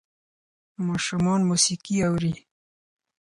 ماشومان موسیقي اوري.